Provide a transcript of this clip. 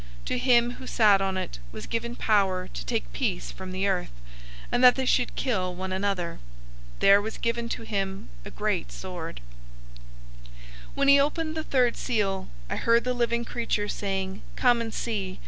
To him who sat on it was given power to take peace from the earth, and that they should kill one another. There was given to him a great sword. 006:005 When he opened the third seal, I heard the third living creature saying, "Come and see!"